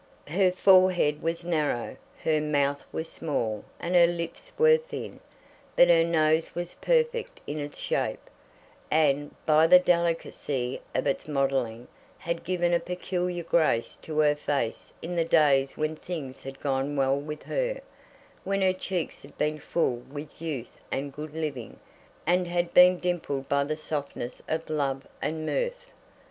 Her forehead was narrow, her mouth was small, and her lips were thin; but her nose was perfect in its shape, and, by the delicacy of its modelling, had given a peculiar grace to her face in the days when things had gone well with her, when her cheeks had been full with youth and good living, and had been dimpled by the softness of love and mirth.